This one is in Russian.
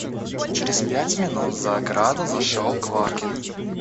Через пять минут за ограду зашел Квакин.